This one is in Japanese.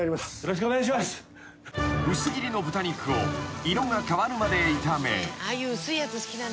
［薄切りの豚肉を色が変わるまで炒め］